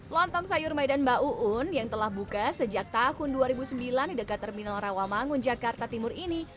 lontong sayur medan mbak uun yang telah buka sejak tahun dua ribu sembilan di dekat terminal rawamangun jakarta timur ini